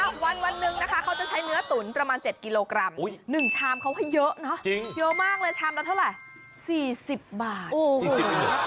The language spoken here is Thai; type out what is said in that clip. วันหนึ่งนะคะเขาจะใช้เนื้อตุ๋นประมาณ๗กิโลกรัม๑ชามเขาให้เยอะเนอะเยอะมากเลยชามละเท่าไหร่๔๐บาทโอ้โห